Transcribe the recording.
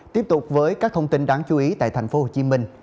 tiếp tục với các thông tin đáng chú ý tại thành phố hồ chí minh